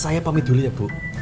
saya pamit dulu ya bu